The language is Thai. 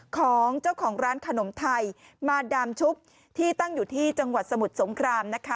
ของเจ้าของร้านขนมไทยมาดามชุบที่ตั้งอยู่ที่จังหวัดสมุทรสงครามนะคะ